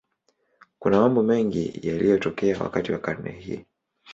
Kuna mambo mengi yaliyotokea wakati wa karne hii.